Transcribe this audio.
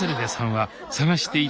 はい。